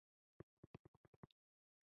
د یهودیانو لپاره ځانګړې جامې مشخصې شوې وې.